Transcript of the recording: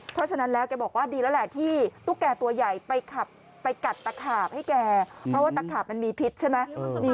เพราะฉะนั้นแล้วแกบอกว่าดีแล้วแหละที่ตุ๊กแก่ตัวใหญ่ไปขับไปกัดตะขาบให้แกเพราะว่าตะขาบมันมีพิษใช่ไหม